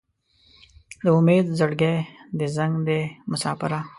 د امید زړګی دې زنګ دی مساپره